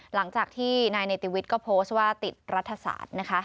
หลังจากที่นายเนติวิทย์ก็โพสต์ว่าติดรัฐศาสตร์นะคะ